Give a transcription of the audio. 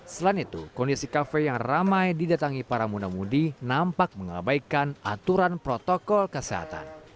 selain itu kondisi kafe yang ramai didatangi para muna mudi nampak mengabaikan aturan protokol kesehatan